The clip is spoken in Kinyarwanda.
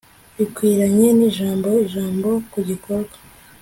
bikwiranye n'ijambo, ijambo ku gikorwa